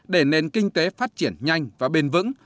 để nền kinh tế phát triển nhanh và bền vững